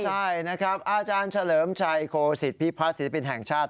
ใช่นะครับอาจารย์เฉลิมชัยโคสิตพิพัฒน์ศิลปินแห่งชาติ